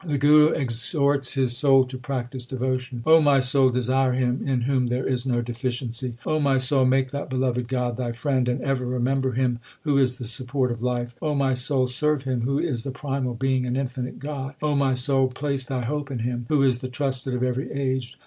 The Guru exhorts his soul to practise devotion : O my soul, desire Him In whom there is no deficiency : O my soul, make that beloved God thy friend, And ever remember Him who is the support of life. O my soul, serve Him Who is the primal Being and infinite God. O my soul, place thy hope in Him Who is the trusted of every age.